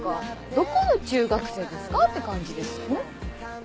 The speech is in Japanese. どこの中学生ですかって感じですよね。